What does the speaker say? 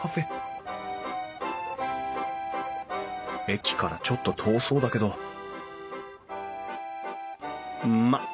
駅からちょっと遠そうだけどまあ